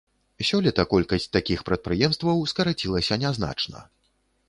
Сёлета колькасць такіх прадпрыемстваў скарацілася нязначна.